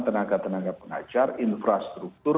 tenaga tenaga pengajar infrastruktur